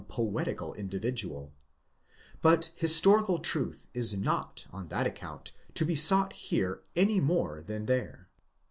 161 poetical individual ; but historical truth is not on that account to be sought here any more than there.